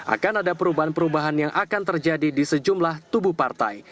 akan ada perubahan perubahan yang akan terjadi di sejumlah tubuh partai